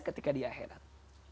ketika di akhirat